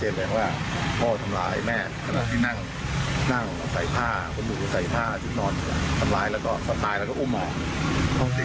แล้วเราก็เรียกนึงแบบนี้เด็กฝังใจมากกว่าทุกคนเป็นโอกาสกันด้วยแม่น